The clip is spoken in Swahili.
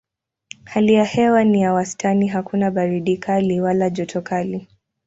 Hali ya hewa ni ya wastani hakuna baridi kali wala joto kali.